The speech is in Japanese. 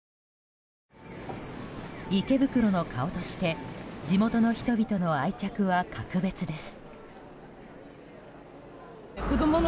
池袋の顔として地元の人々の愛着は格別です。